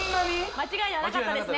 間違いなかったですか？